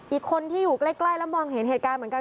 อีกคนที่อยู่ใกล้แล้วมองเห็นเหตุการณ์เหมือนกัน